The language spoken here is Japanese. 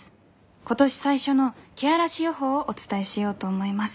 今年最初のけあらし予報をお伝えしようと思います。